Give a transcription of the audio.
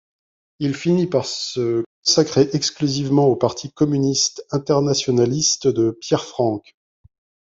Il finit par se consacrer exclusivement au Parti communiste internationaliste de Pierre Frank.